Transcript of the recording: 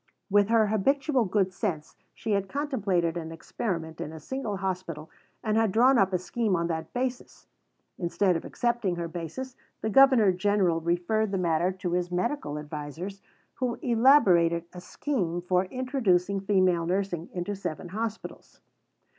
With her habitual good sense, she had contemplated an experiment in a single hospital and had drawn up a scheme on that basis. Instead of accepting her basis, the Governor General referred the matter to his medical advisers, who elaborated a scheme for introducing female nursing into seven hospitals.